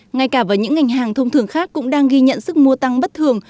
ngay cả vào những ngành hàng thông thường khác cũng đang ghi nhận sức mua tăng bất thường